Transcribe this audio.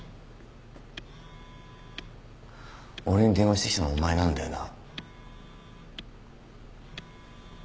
俺に電話してきたのはお前なんだよな？